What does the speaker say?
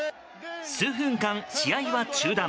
数分間、試合は中断。